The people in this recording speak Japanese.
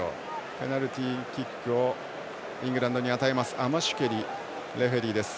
ペナルティーキックをイングランドに与えますアマシュケリレフリーです。